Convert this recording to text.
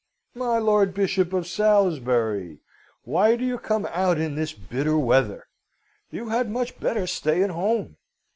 My Lord Bishop of Salisbury, why do you come out in this bitter weather? You had much better stay at home!"